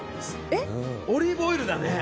オリーブオイルだね。